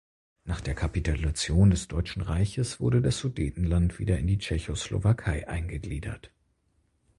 Nach der Kapitulation des Deutschen Reiches wurde das Sudetenland wieder in die Tschechoslowakei eingegliedert.